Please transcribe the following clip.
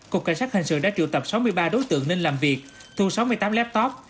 cục cảnh sát hành sự đã triệu tập sáu mươi ba đối tượng nên làm việc thu sáu mươi tám laptop